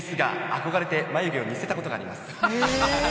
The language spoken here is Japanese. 憧れて眉毛を似せたことがあります。